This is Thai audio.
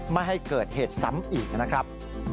ไม่ให้เกิดเหตุซ้ำอีกนะครับ